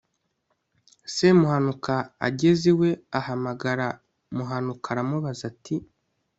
semuhanuka ageze iwe, ahamagara muhanuka aramubaza ati